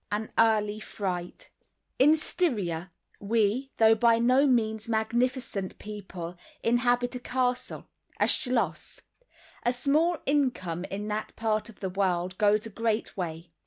I. An Early Fright In Styria, we, though by no means magnificent people, inhabit a castle, or schloss. A small income, in that part of the world, goes a great way.